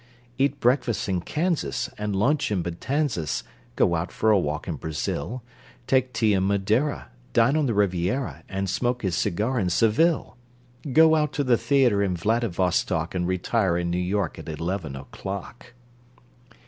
Eat breakfast in Kansas, And lunch in Matanzas, Go out for a walk in Brazil, Take tea in Madeira, Dine on the Riviera, And smoke his cigar in Seville, Go out to the theatre in Vladivostok, And retire in New York at eleven o'clock!